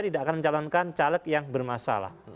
tidak akan mencalonkan caleg yang bermasalah